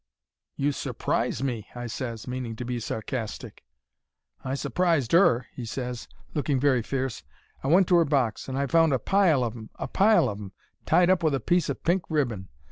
"'You sur prise me,' I ses, meaning to be sarcastic. "'I surprised her,' he ses, looking very fierce. 'I went to 'er box and I found a pile of 'em a pile of 'em tied up with a piece o' pink ribbon.